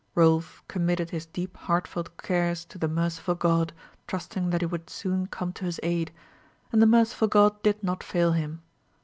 Rolf committed his deep heartfelt cares to the merciful God, trusting that he would soon come to his aid; and the merciful God did not fail him.